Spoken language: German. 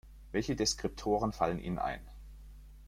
Welche Deskriptoren fallen Ihnen ein?